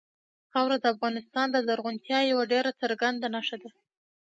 خاوره د افغانستان د زرغونتیا یوه ډېره څرګنده نښه ده.